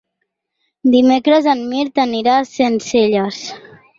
Dimecres en Mirt anirà a Sencelles.